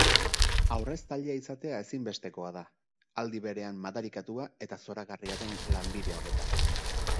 Aurreztailea izatea ezinbestekoa da aldi berean madarikatua eta zoragarria den lanbide honetan.